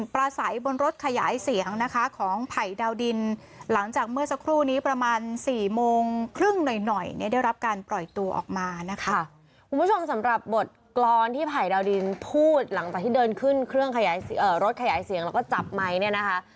ปล่อยตัวออกมานะคะคุณผู้ชมสำหรับบทกรอลที่ไผ่ดาวดินพูดหลังจากที่เดินขึ้นเครื่องขยายเอ่อรถขยายเสียงแล้วก็จับไม้เนี่ยนะคะ